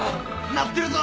鳴ってるぞ！